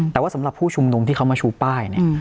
แต่ว่าสำหรับผู้ชุมนุมที่เขามาชูป้ายเนี่ย